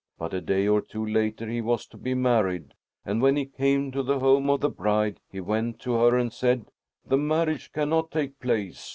But a day or two later he was to be married, and when he came to the home of the bride, he went to her and said: 'The marriage cannot take place.